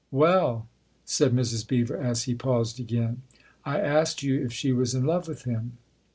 11 "Well?" said Mrs. Beever as he paused again. " I asked you if she was in love with him.''